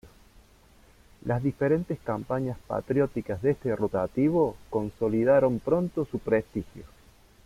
Las diferentes campañas patrióticas de este rotativo consolidaron pronto su prestigio.